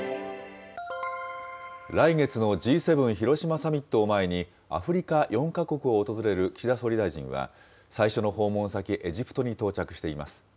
来月のＧ７広島サミットを前に、アフリカ４か国を訪れる岸田総理大臣は、最初の訪問先、エジプトに到着しています。